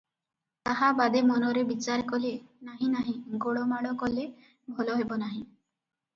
ତାହା ବାଦେ ମନରେ ବିଚାର କଲେ – “ନାହିଁ, ନାହିଁ, ଗୋଳମାଳ କଲେ ଭଲ ହେବ ନାହିଁ ।